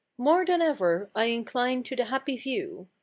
More than ever I incline to the happy view.